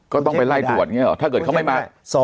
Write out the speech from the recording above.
ก็ต้องไปไล่ตรวจถ้าเกิดเขาไม่มา